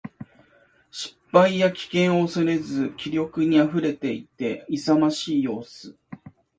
失敗や危険を恐れず気力に溢れていて、勇ましい様子。